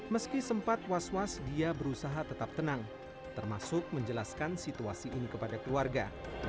meski sempat was was dia berusaha tetap tenang termasuk menjelaskan situasi ini kepada keluarga